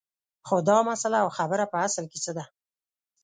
خو دا مسله او خبره په اصل کې څه ده